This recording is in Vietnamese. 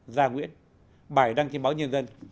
gia nguyễn bài đăng trên báo nhân dân